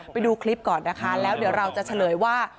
ไปดูคลิปก่อนนะคะแล้วเดี๋ยวเราจะเฉลยว่า